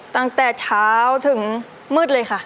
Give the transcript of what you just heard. ตั้งแต่เช้าถึงมืดเลยค่ะ